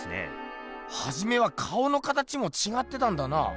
はじめは顔の形もちがってたんだな。